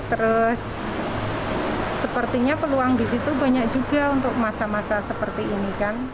terus sepertinya peluang di situ banyak juga untuk masa masa seperti ini kan